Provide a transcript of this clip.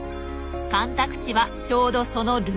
干拓地はちょうどそのルート上。